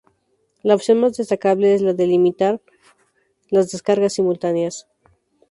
La opción más destacable es la de limitar las descargas simultáneas.